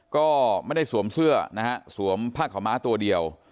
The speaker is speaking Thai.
ก็ไม่ได้สวมเสื้อนะฮะสวมผ้าขาวม้าตัวเดียว